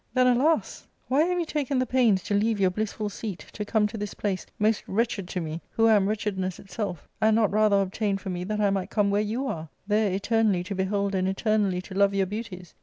Then, alas ! why have you taken the pains to leave your blissful seat to come to this place, most wretched to me, who am wretchedness itself, and not rather obtain for me that I might come where you are, there eternally to behold and eternally to love your beauties